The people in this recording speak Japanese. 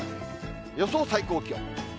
予想最高気温。